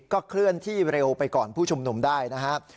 ก็เคลื่อนที่เร็วไปก่อนผู้ชุมนุมได้นะครับ